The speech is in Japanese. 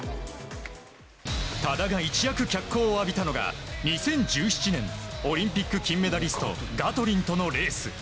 多田が一躍脚光を浴びたのが２０１７年オリンピック金メダリストガトリンとのレース。